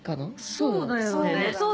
そうだよね。